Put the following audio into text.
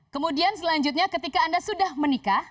kemudian selanjutnya ketika anda sudah menikah